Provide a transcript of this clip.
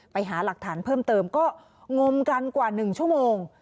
ไปหาหลักฐานเพิ่มเติมก็งมกันกว่า๑ชั่วโมง